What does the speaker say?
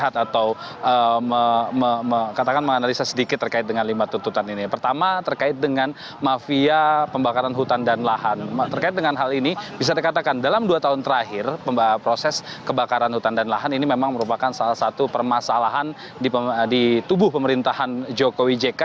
terkait dengan hal ini bisa dikatakan dalam dua tahun terakhir proses kebakaran hutan dan lahan ini memang merupakan salah satu permasalahan di tubuh pemerintahan jokowi jk